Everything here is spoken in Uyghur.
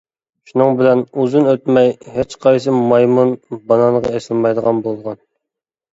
شۇنىڭ بىلەن ئۇزۇن ئۆتمەي ھېچقايسى مايمۇن بانانغا ئېسىلمايدىغان بولغان.